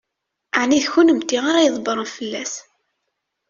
Ɛni d kennemti ara ydebbṛen fell-as?